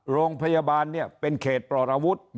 โรงพยาบาลเนี่ยเป็นเขตปรารวจ